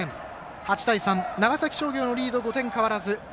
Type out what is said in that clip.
８対３、長崎商業のリード５点変わらず。